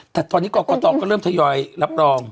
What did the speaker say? แต่ตอนนี้กรกตก็เริ่มทยอยรับรอง